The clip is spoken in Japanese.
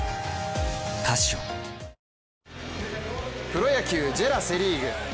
プロ野球、ＪＥＲＡセ・リーグ。